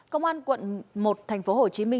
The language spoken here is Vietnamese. công an quận một tp hcm